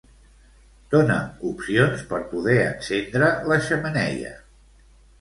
Dona'm opcions per poder encendre la xemeneia